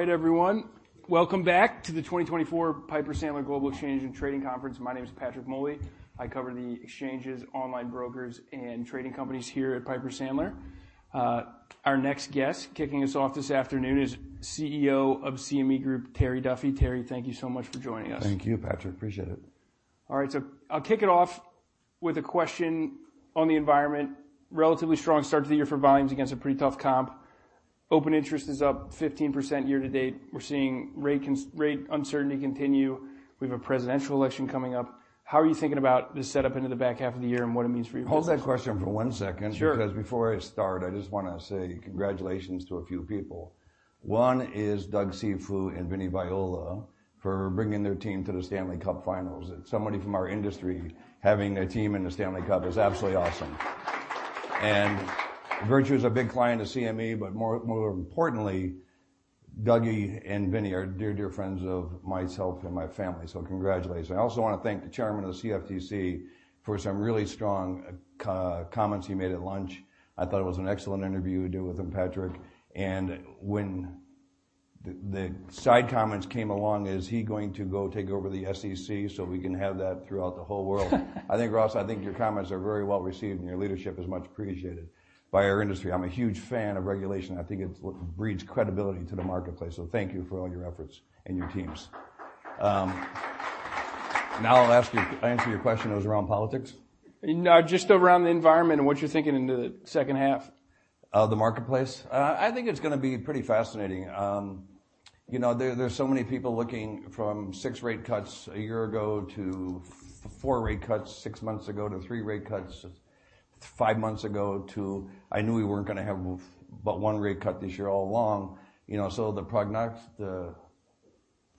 All right, everyone, welcome back to the 2024 Piper Sandler Global Exchange and Trading Conference. My name is Patrick Moley. I cover the exchanges, online brokers, and trading companies here at Piper Sandler. Our next guest, kicking us off this afternoon, is CEO of CME Group, Terry Duffy. Terry, thank you so much for joining us. Thank you, Patrick. Appreciate it. All right, so I'll kick it off with a question on the environment. Relatively strong start to the year for volumes against a pretty tough comp. Open interest is up 15% year to date. We're seeing rate uncertainty continue. We have a presidential election coming up. How are you thinking about this setup into the back half of the year and what it means for your. Hold that question for one second Sure. because before I start, I just wanna say congratulations to a few people. One is Douglas Cifus and Vincent Viola for bringing their team to the Stanley Cup finals. Somebody from our industry, having a team in the Stanley Cup is absolutely awesome. And Virtu is a big client of CME, but more importantly, Dougie and Vinnie are dear, dear friends of myself and my family, so congratulations. I also wanna thank the chairman of the CFTC for some really strong comments he made at lunch. I thought it was an excellent interview you did with him, Patrick. And when the side comments came along, is he going to go take over the SEC, so we can have that throughout the whole world? I think, Rostin, I think your comments are very well-received, and your leadership is much appreciated by our industry. I'm a huge fan of regulation. I think it's what breeds credibility to the marketplace, so thank you for all your efforts and your teams. Now I'll ask you. answer your question. It was around politics? Just around the environment and what you're thinking into the second half. The marketplace? I think it's gonna be pretty fascinating. You know, there, there's so many people looking from six rate cuts a year ago to four rate cuts six months ago, to three rate cuts five months ago, to I knew we weren't gonna have but 1 rate cut this year all along. You know, so the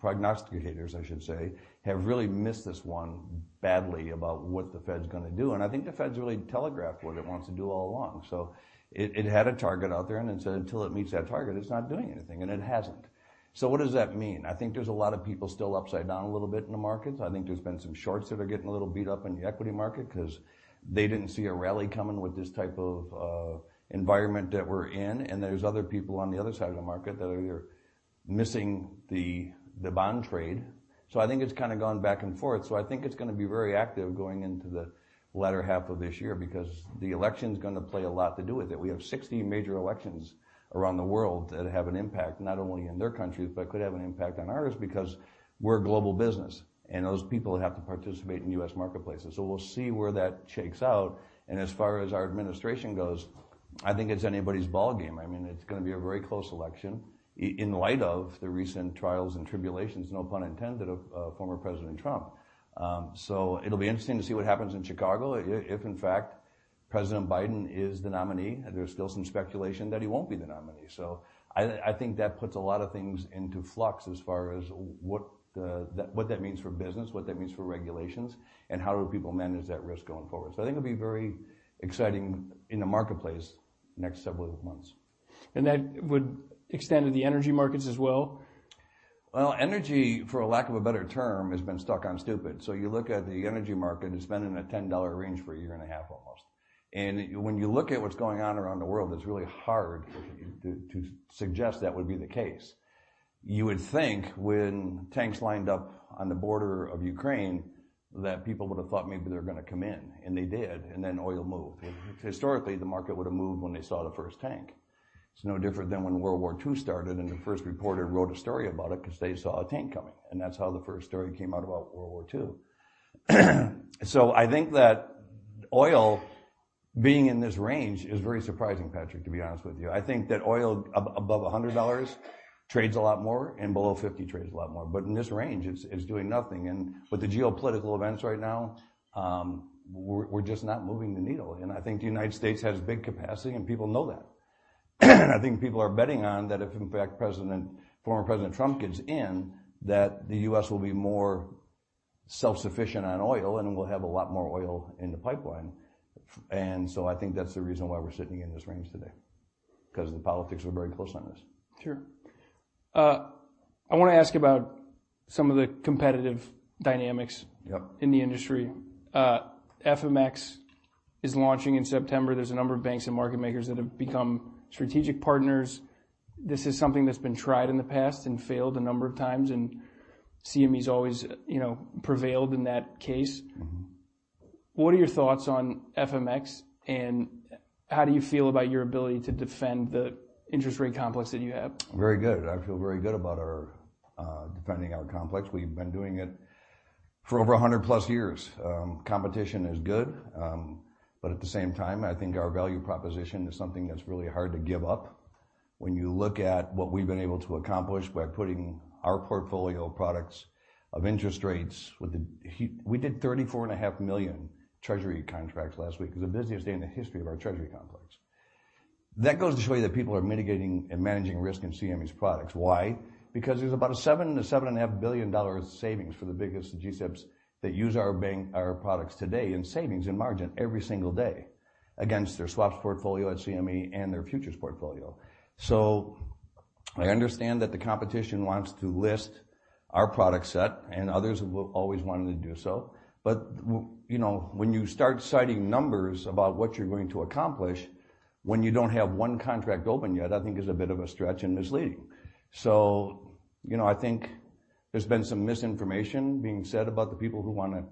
prognosticators, I should say, have really missed this one badly about what the Fed's gonna do, and I think the Fed's really telegraphed what it wants to do all along. So it had a target out there, and it said until it meets that target, it's not doing anything, and it hasn't. So what does that mean? I think there's a lot of people still upside down a little bit in the markets. I think there's been some shorts that are getting a little beat up in the equity market 'cause they didn't see a rally coming with this type of environment that we're in, and there's other people on the other side of the market that are either missing the bond trade. So I think it's kind of gone back and forth, so I think it's gonna be very active going into the latter half of this year because the election's gonna play a lot to do with it. We have 60 major elections around the world that have an impact, not only in their countries, but could have an impact on ours because we're a global business, and those people have to participate in U.S. marketplaces, so we'll see where that shakes out. As far as our administration goes, I think it's anybody's ballgame. I mean, it's gonna be a very close election in light of the recent trials and tribulations, no pun intended, of former President Trump. So it'll be interesting to see what happens in Chicago, if, in fact, President Biden is the nominee. There's still some speculation that he won't be the nominee. So I think that puts a lot of things into flux as far as what that means for business, what that means for regulations, and how do people manage that risk going forward. So I think it'll be very exciting in the marketplace next several months. That would extend to the energy markets as well? Well, energy, for a lack of a better term, has been stuck on stupid. So you look at the energy market, it's been in a $10 range for a year and a half almost, and when you look at what's going on around the world, it's really hard to suggest that would be the case. You would think when tanks lined up on the border of Ukraine, that people would have thought maybe they're gonna come in, and they did, and then oil moved. Historically, the market would have moved when they saw the first tank. It's no different than when World War II started, and the first reporter wrote a story about it 'cause they saw a tank coming, and that's how the first story came out about World War II. So I think that oil being in this range is very surprising, Patrick, to be honest with you. I think that oil above $100 trades a lot more and below $50 trades a lot more. But in this range, it's doing nothing, and with the geopolitical events right now, we're just not moving the needle. And I think the United States has big capacity, and people know that. I think people are betting on that if, in fact, President, former President Trump gets in, that the US will be more self-sufficient on oil and will have a lot more oil in the pipeline. And so I think that's the reason why we're sitting in this range today, 'cause the politics are very close on this. Sure. I wanna ask about some of the competitive dynamics. in the industry. FMX is launching in September. There's a number of banks and market makers that have become strategic partners. This is something that's been tried in the past and failed a number of times, and CME's always, you know, prevailed in that case. What are your thoughts on FMX, and how do you feel about your ability to defend the interest rate complex that you have? Very good. I feel very good about our defending our complex. We've been doing it for over 100+ years. Competition is good, but at the same time, I think our value proposition is something that's really hard to give up. When you look at what we've been able to accomplish by putting our portfolio of products of interest rates, we did 34.5 million treasury contracts last week. It was the busiest day in the history of our treasury complex. That goes to show you that people are mitigating and managing risk in CME's products. Why? Because there's about seven to $7.5 billion in savings for the biggest G-SIBs that use our bank, our products today in savings and margin every single day against their swaps portfolio at CME and their futures portfolio. So I understand that the competition wants to list our product set, and others have always wanted to do so. But, you know, when you start citing numbers about what you're going to accomplish, when you don't have one contract open yet, I think is a bit of a stretch and misleading. So, you know, I think there's been some misinformation being said about the people who wanna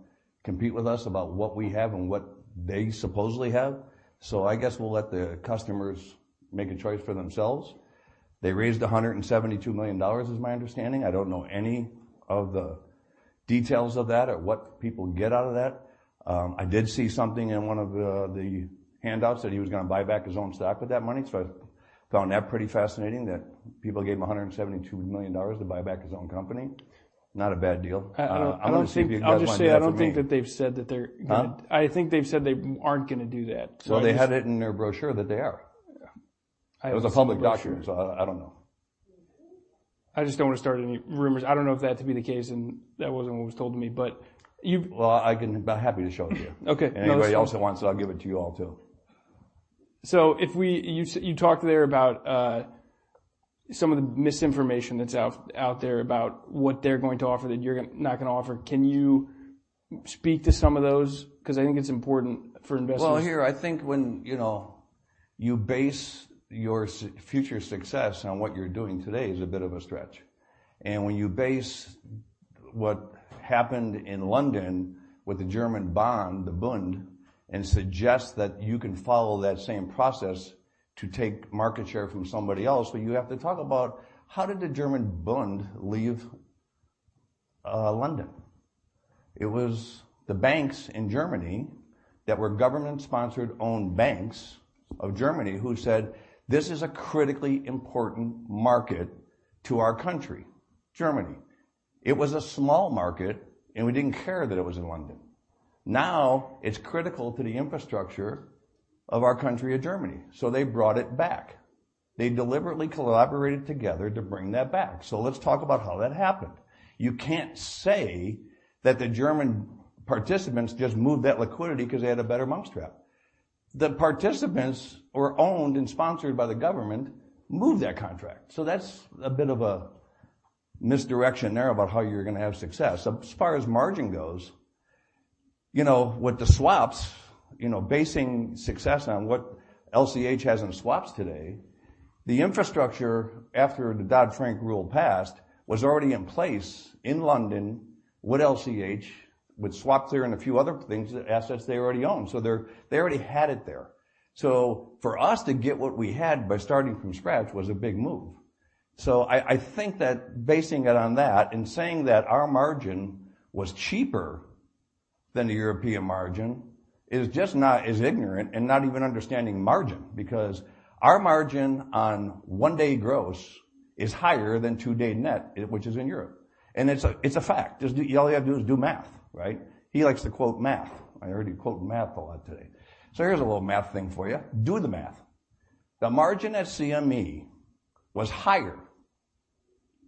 compete with us about what we have and what they supposedly have. So I guess we'll let the customers make a choice for themselves. They raised $172 million, is my understanding. I don't know any of the details of that or what people get out of that. I did see something in one of the handouts, that he was gonna buy back his own stock with that money, so I found that pretty fascinating, that people gave him $172 million to buy back his own company. Not a bad deal. I'll just say, I don't think that they've said that they're. I think they've said they aren't gonna do that. So Well, they had it in their brochure that they are. It was a public document, so I don't know. I just don't wanna start any rumors. I don't know if that to be the case, and that wasn't what was told to me, but you. Well, I can... I'm happy to show it to you. Okay. If anybody else wants, I'll give it to you all, too. So if you talked there about some of the misinformation that's out there about what they're going to offer that you're not gonna offer. Can you speak to some of those? 'Cause I think it's important for investors. Well, here, I think when, you know, you base your future success on what you're doing today is a bit of a stretch. And when you base what happened in London with the German bond, the Bund, and suggest that you can follow that same process to take market share from somebody else, but you have to talk about: how did the German Bund leave London? It was the banks in Germany that were government-sponsored, owned banks of Germany, who said, "This is a critically important market to our country, Germany. It was a small market, and we didn't care that it was in London. Now, it's critical to the infrastructure of our country of Germany." So they brought it back. They deliberately collaborated together to bring that back. So let's talk about how that happened. You can't say that the German participants just moved that liquidity 'cause they had a better mousetrap. The participants were owned and sponsored by the government, moved that contract. So that's a bit of a misdirection there about how you're gonna have success. As far as margin goes, you know, with the swaps, you know, basing success on what LCH has in swaps today, the infrastructure, after the Dodd-Frank rule passed, was already in place in London with LCH, with SwapClear and a few other things, assets they already own. So they're--they already had it there. So for us to get what we had by starting from scratch was a big move. So I, I think that basing it on that and saying that our margin was cheaper than the European margin, is just not is ignorant and not even understanding margin, because our margin on one-day gross is higher than two-day net, which is in Europe. And it's a fact. Just all you have to do is do math, right? He likes to quote math. I already quoted math a lot today. So here's a little math thing for you. Do the math. The margin at CME was higher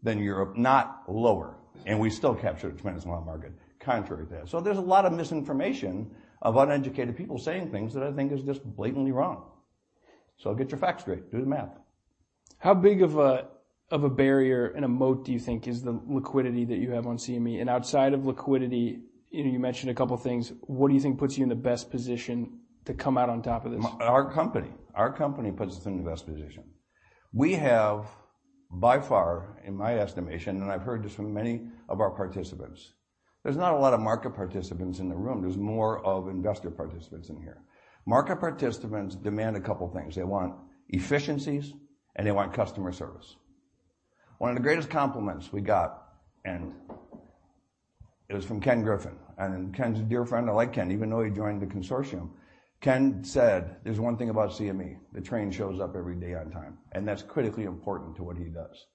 than Europe, not lower, and we still captured the transatlantic market, contrary to that. So there's a lot of misinformation of uneducated people saying things that I think is just blatantly wrong. So get your facts straight, do the math. How big of a barrier and a moat do you think is the liquidity that you have on CME? And outside of liquidity, you know, you mentioned a couple of things. What do you think puts you in the best position to come out on top of this? Our company puts us in the best position. We have, by far, in my estimation, and I've heard this from many of our participants. There's not a lot of market participants in the room. There's more of investor participants in here. Market participants demand a couple of things: they want efficiencies, and they want customer service. One of the greatest compliments we got, and it was from Ken Griffin, and Ken's a dear friend. I like Ken, even though he joined the consortium. Ken said, "There's one thing about CME: the train shows up every day on time," and that's critically important to what he does.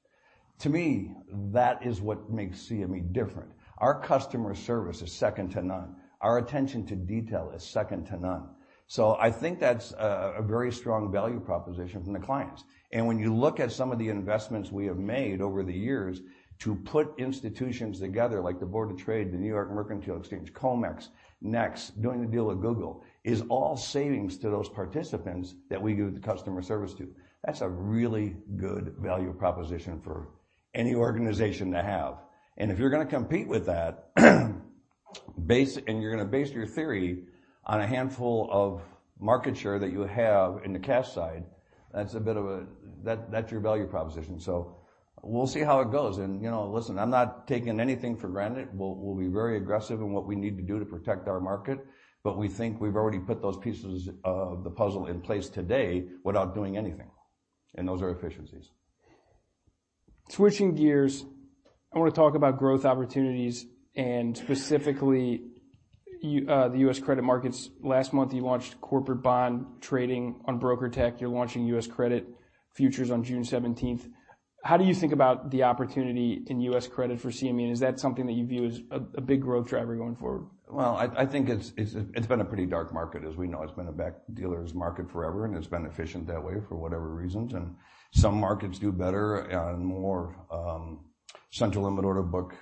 To me, that is what makes CME different. Our customer service is second to none. Our attention to detail is second to none. So I think that's a very strong value proposition from the clients. And when you look at some of the investments we have made over the years to put institutions together, like the Board of Trade, the New York Mercantile Exchange, COMEX, NEX, doing the deal with Google, is all savings to those participants that we give the customer service to. That's a really good value proposition for any organization to have. And if you're gonna compete with that, and you're gonna base your theory on a handful of market share that you have in the cash side, that's a bit of That, that's your value proposition. So we'll see how it goes. And, you know, listen, I'm not taking anything for granted. We'll, we'll be very aggressive in what we need to do to protect our market, but we think we've already put those pieces of the puzzle in place today without doing anything, and those are efficiencies. Switching gears, I wanna talk about growth opportunities and specifically, the U.S. credit markets. Last month, you launched corporate bond trading on BrokerTec. You're launching U.S. credit futures on June seventeenth. How do you think about the opportunity in U.S. credit for CME? Is that something that you view as a big growth driver going forward? Well, I think it's been a pretty dark market, as we know. It's been a bank dealers market forever, and it's been efficient that way for whatever reasons. And some markets do better and more central limit order book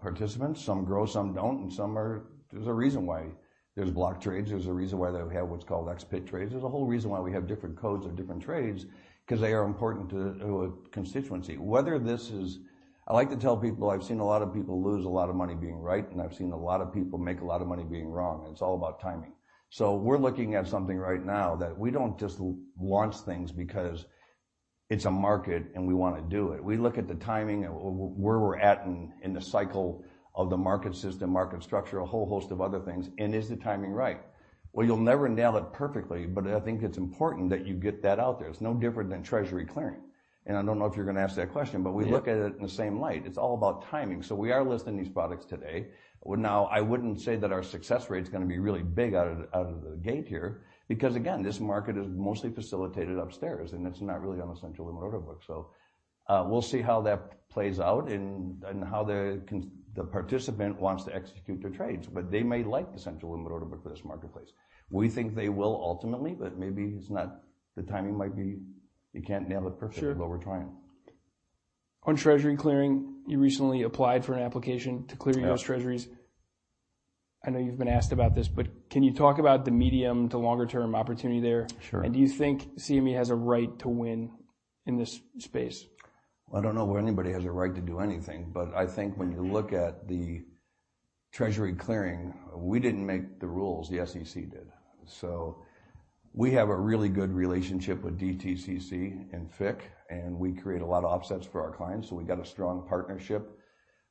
participants. Some grow, some don't, and some are. There's a reason why there's block trades. There's a reason why they have what's called ex-pit trades. There's a whole reason why we have different codes or different trades, 'cause they are important to a constituency. Whether this is, I like to tell people I've seen a lot of people lose a lot of money being right, and I've seen a lot of people make a lot of money being wrong, and it's all about timing. So we're looking at something right now that we don't just launch things because-...It's a market, and we wanna do it. We look at the timing, and where we're at in the cycle of the market system, market structure, a whole host of other things, and is the timing right? Well, you'll never nail it perfectly, but I think it's important that you get that out there. It's no different than Treasury clearing, and I don't know if you're gonna ask that question. but we look at it in the same light. It's all about timing. So we are listing these products today. Well, now, I wouldn't say that our success rate's gonna be really big out of the gate here because, again, this market is mostly facilitated upstairs, and it's not really on the central limit order book. So we'll see how that plays out and how the participant wants to execute their trades. But they may like the central limit order book for this marketplace. We think they will ultimately, but maybe it's not the timing might be. You can't nail it perfectly. But we're trying. On Treasury clearing, you recently applied for an application to clear, U.S. Treasuries. I know you've been asked about this, but can you talk about the medium to longer term opportunity there? Do you think CME has a right to win in this space? I don't know whether anybody has a right to do anything, but I think when you look at the Treasury clearing, we didn't make the rules, the SEC did. So we have a really good relationship with DTCC and FICC, and we create a lot of offsets for our clients, so we've got a strong partnership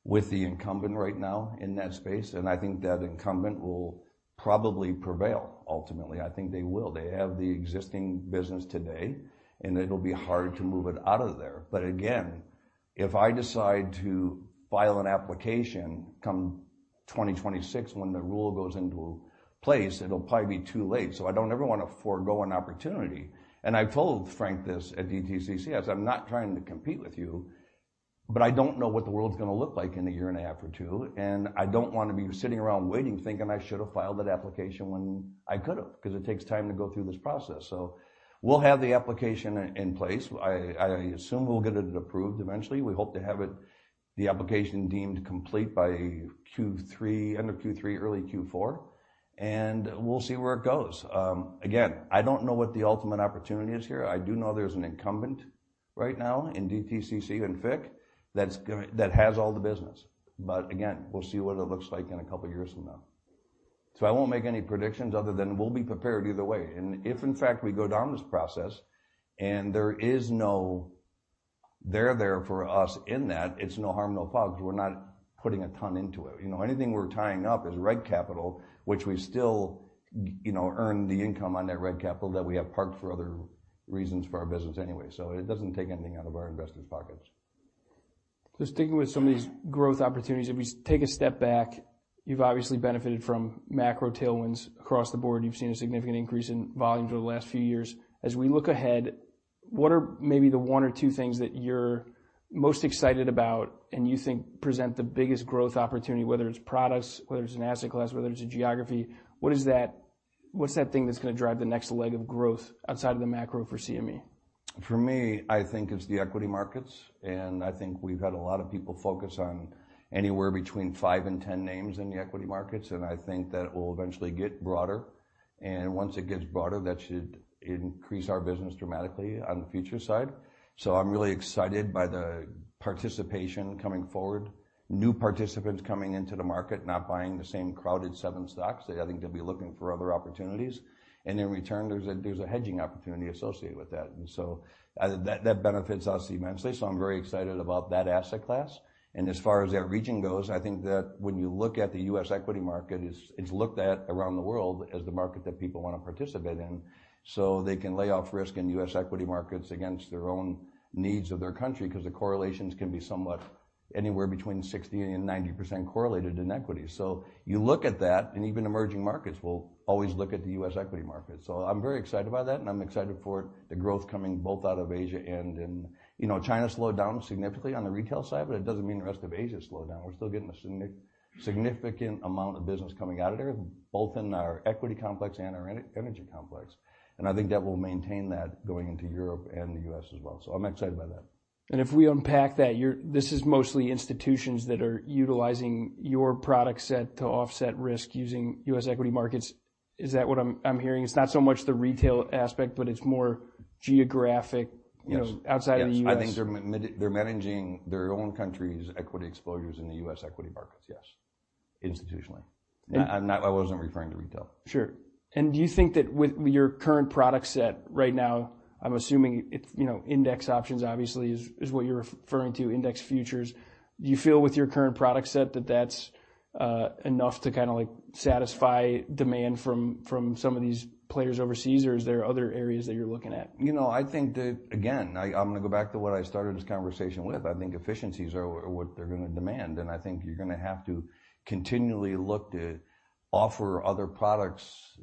with the incumbent right now in that space, and I think that incumbent will probably prevail ultimately. I think they will. They have the existing business today, and it'll be hard to move it out of there. But again, if I decide to file an application come 2026 when the rule goes into place, it'll probably be too late. So I don't ever wanna forgo an opportunity. I've told Frank this at DTCC, I said, "I'm not trying to compete with you, but I don't know what the world's gonna look like in a year and a half or two, and I don't want to be sitting around waiting, thinking I should have filed that application when I could have," 'cause it takes time to go through this process. So we'll have the application in place. I assume we'll get it approved eventually. We hope to have it, the application, deemed complete by Q3, end of Q3, early Q4, and we'll see where it goes. Again, I don't know what the ultimate opportunity is here. I do know there's an incumbent right now in DTCC and FICC that has all the business. But again, we'll see what it looks like in a couple years from now. So I won't make any predictions other than we'll be prepared either way. If, in fact, we go down this process and there is no there there for us in that, it's no harm, no foul, because we're not putting a ton into it. You know, anything we're tying up is reg-capital, which we still, you know, earn the income on that reg-capital that we have parked for other reasons for our business anyway, so it doesn't take anything out of our investors' pockets. Just sticking with some of these growth opportunities, if we take a step back, you've obviously benefited from macro tailwinds across the board. You've seen a significant increase in volume over the last few years. As we look ahead, what are maybe the one or two things that you're most excited about and you think present the biggest growth opportunity, whether it's products, whether it's an asset class, whether it's a geography? What is that. What's that thing that's gonna drive the next leg of growth outside of the macro for CME? For me, I think it's the equity markets, and I think we've had a lot of people focus on anywhere between 5 and 10 names in the equity markets, and I think that it will eventually get broader. Once it gets broader, that should increase our business dramatically on the futures side. So I'm really excited by the participation coming forward, new participants coming into the market, not buying the same crowded 7 stocks. I think they'll be looking for other opportunities, and in return, there's a, there's a hedging opportunity associated with that. And so, that, that benefits us immensely, so I'm very excited about that asset class. And as far as that region goes, I think that when you look at the U.S. equity market, it's looked at around the world as the market that people want to participate in, so they can lay off risk in U.S. equity markets against their own needs of their country, because the correlations can be somewhat anywhere between 60%-90% correlated in equities. So you look at that, and even emerging markets will always look at the U.S. equity market. So I'm very excited about that, and I'm excited for the growth coming both out of Asia and in. You know, China slowed down significantly on the retail side, but it doesn't mean the rest of Asia slowed down. We're still getting a significant amount of business coming out of there, both in our equity complex and our energy complex, and I think that will maintain that going into Europe and the U.S. as well. So I'm excited about that. If we unpack that, you're, this is mostly institutions that are utilizing your product set to offset risk using U.S. equity markets. Is that what I'm hearing? It's not so much the retail aspect, but it's more geographic you know, outside of the U.S. Yes. I think they're managing their own country's equity exposures in the U.S. equity markets, yes, institutionally. I'm not. I wasn't referring to retail. Sure. And do you think that with your current product set right now, I'm assuming it's, you know, index options obviously is what you're referring to, index futures. Do you feel with your current product set that that's enough to kinda, like, satisfy demand from some of these players overseas, or is there other areas that you're looking at? You know, I think that, again, I, I'm gonna go back to what I started this conversation with. I think efficiencies are, are what they're gonna demand, and I think you're gonna have to continually look to offer other products,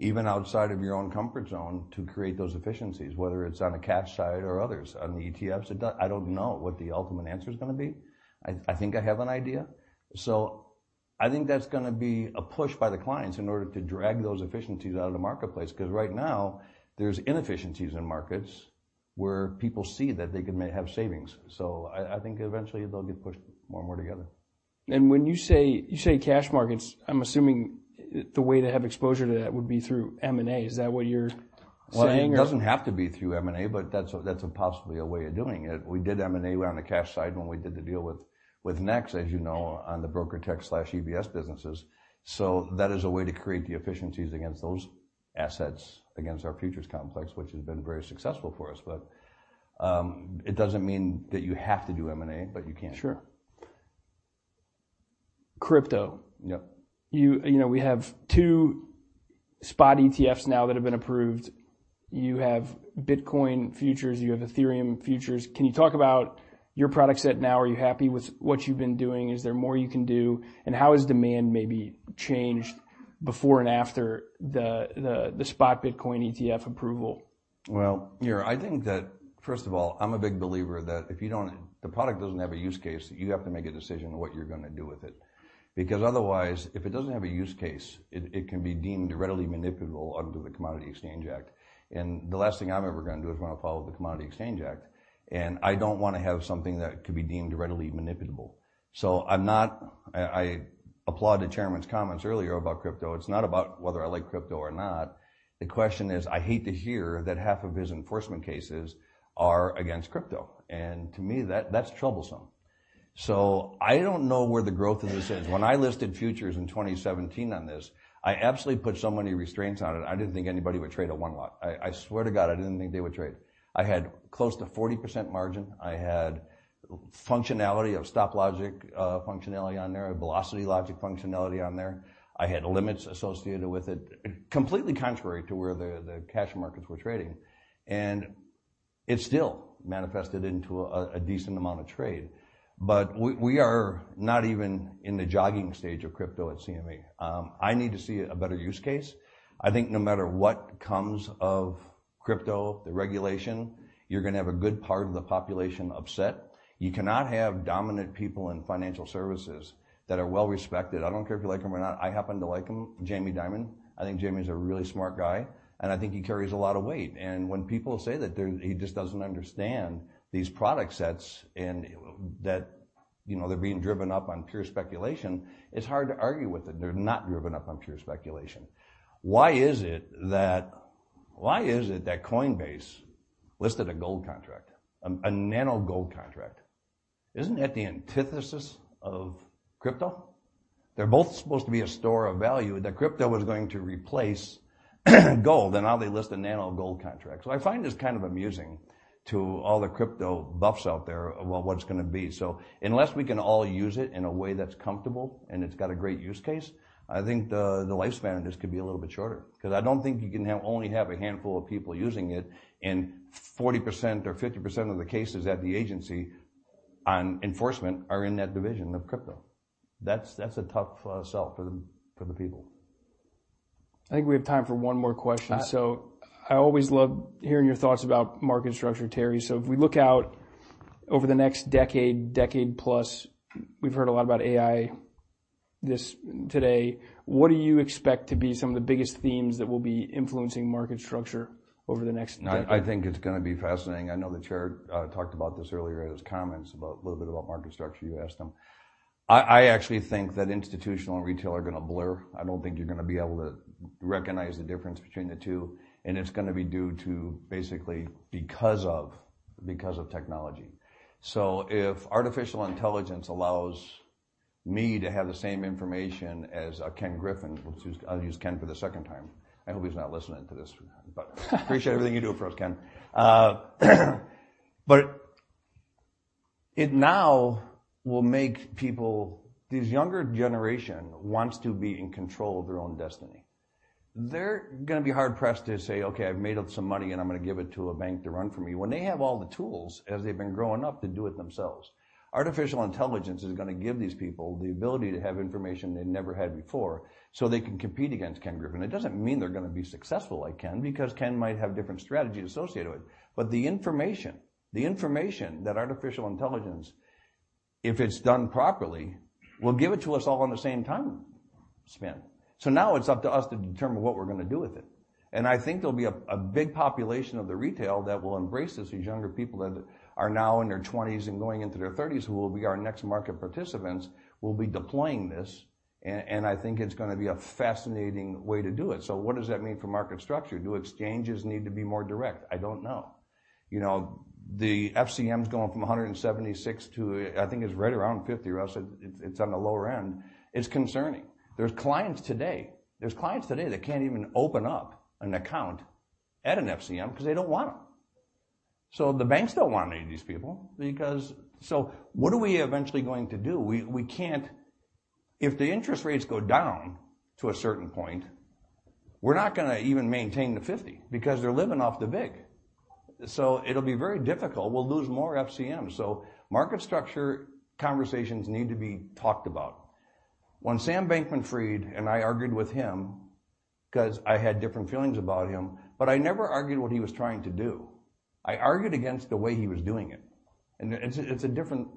even outside of your own comfort zone, to create those efficiencies, whether it's on the cash side or others, on the ETFs. I don't know what the ultimate answer is gonna be. I, I think I have an idea. So I think that's gonna be a push by the clients in order to drag those efficiencies out of the marketplace, because right now, there's inefficiencies in markets, where people see that they can may have savings. So I, I think eventually they'll get pushed more and more together. When you say, you say cash markets, I'm assuming the way to have exposure to that would be through M&A. Is that what you're saying or? Well, it doesn't have to be through M&A, but that's a, that's possibly a way of doing it. We did M&A on the cash side when we did the deal with, with NEX, as you know, on the BrokerTec/EBS businesses. So that is a way to create the efficiencies against those assets, against our futures complex, which has been very successful for us. But, it doesn't mean that you have to do M&A, but you can. Sure. Crypto? you know, we have two spot ETFs now that have been approved. You have Bitcoin futures, you have Ethereum futures. Can you talk about your product set now? Are you happy with what you've been doing? Is there more you can do, and how has demand maybe changed before and after the spot Bitcoin ETF approval? Well, yeah, I think that, first of all, I'm a big believer that if you don't—the product doesn't have a use case, you have to make a decision on what you're gonna do with it. Because otherwise, if it doesn't have a use case, it, it can be deemed readily manipulable under the Commodity Exchange Act. And the last thing I'm ever gonna do is wanna follow the Commodity Exchange Act, and I don't wanna have something that could be deemed readily manipulable. So I'm not—I, I applaud the chairman's comments earlier about crypto. It's not about whether I like crypto or not. The question is, I hate to hear that half of his enforcement cases are against crypto, and to me, that, that's troublesome. So I don't know where the growth in this is. When I listed futures in 2017 on this, I absolutely put so many restraints on it. I didn't think anybody would trade a 1 lot. I, I swear to God, I didn't think they would trade. I had close to 40% margin. I had functionality of Stop Logic, functionality on there, Velocity Logic functionality on there. I had limits associated with it, completely contrary to where the cash markets were trading, and it still manifested into a decent amount of trade. But we are not even in the jogging stage of crypto at CME. I need to see a better use case. I think no matter what comes of crypto, the regulation, you're gonna have a good part of the population upset. You cannot have dominant people in financial services that are well respected. I don't care if you like him or not. I happen to like him, Jamie Dimon. I think Jamie's a really smart guy, and I think he carries a lot of weight. When people say that he just doesn't understand these product sets and that, you know, they're being driven up on pure speculation, it's hard to argue with it. They're not driven up on pure speculation. Why is it that Coinbase listed a gold contract, a nano gold contract? Isn't that the antithesis of crypto? They're both supposed to be a store of value, that crypto was going to replace gold, and now they list a nano gold contract. So I find this kind of amusing to all the crypto buffs out there about what it's gonna be. So unless we can all use it in a way that's comfortable and it's got a great use case, I think the lifespan of this could be a little bit shorter. 'Cause I don't think you can have only a handful of people using it, and 40% or 50% of the cases at the agency on enforcement are in that division of crypto. That's a tough sell for the people. I think we have time for one more question. So I always love hearing your thoughts about market structure, Terry. So if we look out over the next decade, decade plus, we've heard a lot about AI this... today. What do you expect to be some of the biggest themes that will be influencing market structure over the next decade? I think it's gonna be fascinating. I know the chair talked about this earlier in his comments about a little bit about market structure, you asked him. I actually think that institutional and retail are gonna blur. I don't think you're gonna be able to recognize the difference between the two, and it's gonna be due to basically because of technology. So if artificial intelligence allows me to have the same information as Ken Griffin, which I'll use Ken for the second time. I hope he's not listening to this, but appreciate everything you do for us, Ken. But it now will make people, this younger generation wants to be in control of their own destiny. They're gonna be hard pressed to say, "Okay, I've made up some money, and I'm gonna give it to a bank to run for me," when they have all the tools, as they've been growing up, to do it themselves. Artificial intelligence is gonna give these people the ability to have information they never had before, so they can compete against Ken Griffin. It doesn't mean they're gonna be successful like Ken, because Ken might have different strategy associated with it. But the information, the information that artificial intelligence, if it's done properly, will give it to us all on the same time span. So now it's up to us to determine what we're gonna do with it, and I think there'll be a big population of the retail that will embrace this. These younger people that are now in their twenties and going into their thirties, who will be our next market participants, will be deploying this, and, and I think it's gonna be a fascinating way to do it. So what does that mean for market structure? Do exchanges need to be more direct? I don't know. You know, the FCM is going from 176 to, I think, it's right around 50, Rostin, it's, it's on the lower end. It's concerning. There's clients today, there's clients today that can't even open up an account at an FCM because they don't want them. So the banks don't want any of these people because... So what are we eventually going to do? We, we can't If the interest rates go down to a certain point, we're not gonna even maintain the 50 because they're living off the big. It'll be very difficult. We'll lose more FCMs, so market structure conversations need to be talked about. When Sam Bankman-Fried, and I argued with him because I had different feelings about him, but I never argued what he was trying to do. I argued against the way he was doing it, and it's, it's a different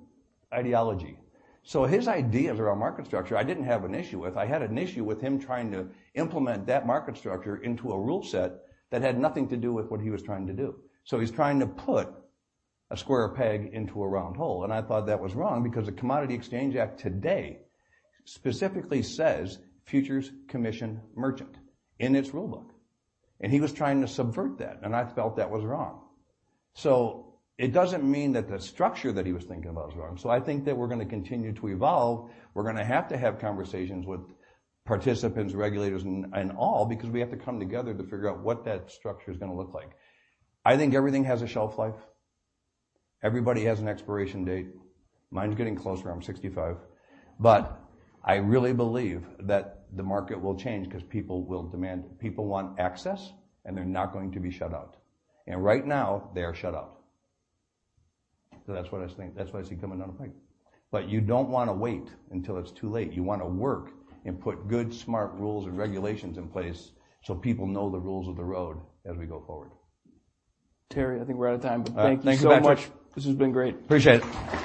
ideology. So his ideas around market structure, I didn't have an issue with. I had an issue with him trying to implement that market structure into a rule set that had nothing to do with what he was trying to do. So he's trying to put a square peg into a round hole, and I thought that was wrong because the Commodity Exchange Act today specifically says, "Futures commission merchant," in its rule book, and he was trying to subvert that, and I felt that was wrong. So it doesn't mean that the structure that he was thinking about was wrong. So I think that we're gonna continue to evolve. We're gonna have to have conversations with participants, regulators, and, and all, because we have to come together to figure out what that structure is gonna look like. I think everything has a shelf life. Everybody has an expiration date. Mine's getting closer, I'm 65. But I really believe that the market will change because people will demand, people want access, and they're not going to be shut out, and right now they are shut out. So that's what I think, that's what I see coming down the pipe. But you don't wanna wait until it's too late. You wanna work and put good, smart rules and regulations in place so people know the rules of the road as we go forward. Terry, I think we're out of time. All right. Thank you so much. Thank you so much. This has been great. Appreciate it.